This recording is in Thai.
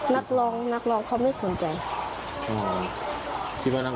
นักร้องเขาไม่สนใจ